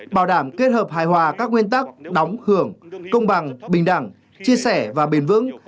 bảo đảm kết hợp hài hòa các nguyên tắc đóng hưởng công bằng bình đẳng chia sẻ và bền vững